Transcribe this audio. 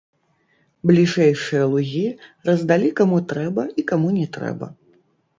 Бліжэйшыя лугі раздалі каму трэба і каму не трэба.